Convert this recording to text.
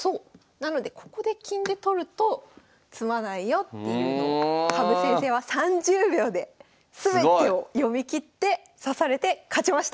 なのでここで金で取ると詰まないよっていうのを羽生先生は３０秒で全てを読みきって指されて勝ちました。